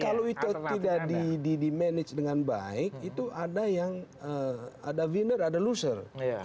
kalau itu tidak di manage dengan baik itu ada yang ada vinner ada loser